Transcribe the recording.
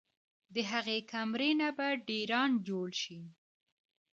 د هغې کمرې نه به ډېران جوړ شي